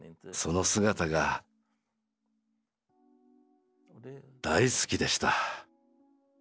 その姿が大好きでした。